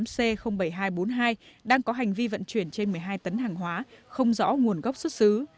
c bảy nghìn hai trăm bốn mươi hai đang có hành vi vận chuyển trên một mươi hai tấn hàng hóa không rõ nguồn gốc xuất xứ